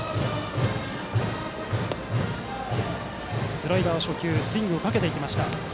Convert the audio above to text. スライダー、初球スイングをかけました。